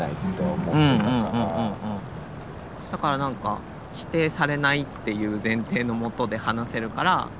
だからなんか否定されないっていう前提のもとで話せるから。